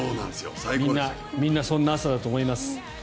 みんなそんな朝だと思います。